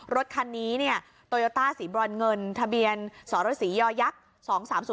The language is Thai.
รถคันนี้เนี่ยโตโยต้าศรีบรรเงินทะเบียนสหรัฐศรียอยักษ์